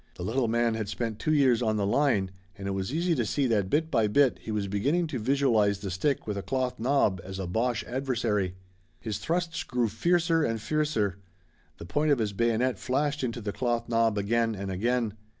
The little man had spent two years on the line and it was easy to see that bit by bit he was beginning to visualize the stick with a cloth knob as a Boche adversary. His thrusts grew fiercer and fiercer. The point of his bayonet flashed into the cloth knob again and again.